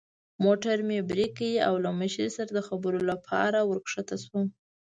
موټر مې برېک کړ او له مشرې سره د خبرو لپاره ور کښته شوم.